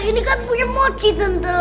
ini kan punya mochi tante